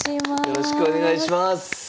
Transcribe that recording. よろしくお願いします。